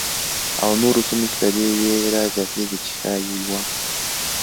او نورو سیمو کې د دې وېره زیاتېږي چې ښايي یوه.